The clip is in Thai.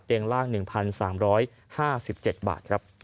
ล่าง๑๓๕๗บาทครับ